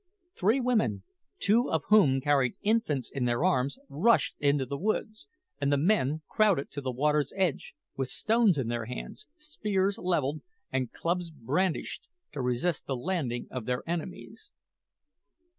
Three women, two of whom carried infants in their arms, rushed into the woods; and the men crowded to the water's edge, with stones in their hands, spears levelled, and clubs brandished, to resist the landing of their enemies.